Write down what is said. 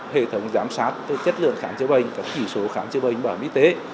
hệ thống giám sát chất lượng khám chữa bệnh các chỉ số khám chữa bệnh bảo hiểm y tế